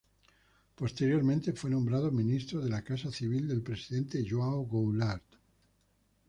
Posteriormente fue nombrado ministro de la Casa Civil del presidente João Goulart.